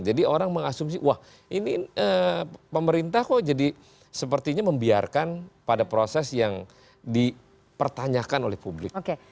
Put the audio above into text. jadi orang mengasumsi wah ini pemerintah kok jadi sepertinya membiarkan pada proses yang dipertanyakan oleh publik